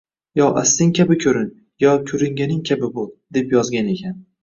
Yo asling kabi ko`rin, yo ko`ringaning kabi bo`l, deb yozgan ekan